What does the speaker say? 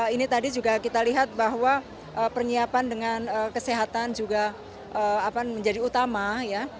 ini tadi juga kita lihat bahwa penyiapan dengan kesehatan juga menjadi utama ya